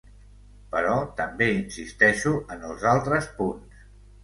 Però també insisteixo en els altres punts.